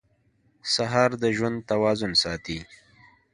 سهار د ژوند توازن ساتي.